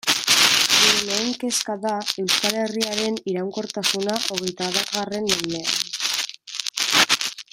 Gure lehen kezka da Euskal Herriaren iraunkortasuna hogeita batgarren mendean.